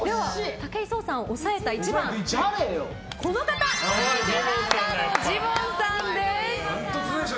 武井壮さんを抑えた１番は寺門ジモンさんです。